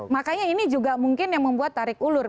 makanya ini juga mungkin yang membuat tarik ulur